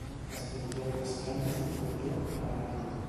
Castellnou de Seana es un bon lloc per anar-hi